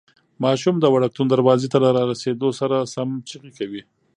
ماشوم د وړکتون دروازې ته له رارسېدو سره سم چیغې کوي.